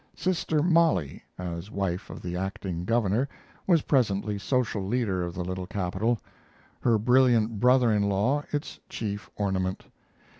"Sister Mollie," as wife of the acting governor, was presently social leader of the little capital; her brilliant brother in law its chief ornament.